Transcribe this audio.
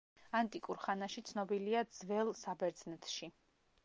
ანტიკურ ხანაში ცნობილია ძველ საბერძნეთში.